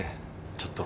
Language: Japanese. ちょっと。